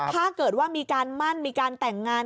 ถ้าเกิดว่ามีการมั่นมีการแต่งงาน